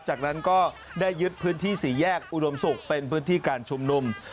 จากนั้นก็ได้ยึดพื้นที่สี่แยกอุดมศุกร์เป็นพื้นที่การชุมนุม